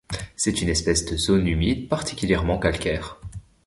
C'est une espèce de zones humides, particulièrement calcaires.